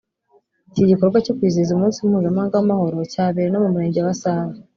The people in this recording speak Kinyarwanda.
Iki gikorwa cyo kwizihiza umunsi mpuzamahanga w’amahoro cyabereye no mu murenge wa Save